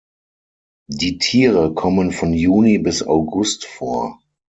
Die Tiere kommen von Juni bis August vor.